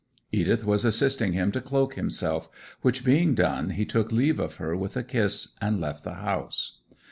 Edith was assisting him to cloak himself, which being done he took leave of her with a kiss and left the house.